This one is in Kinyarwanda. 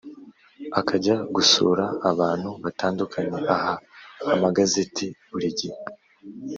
akajya gusura abantu batandukanye aha amagazeti buri gihe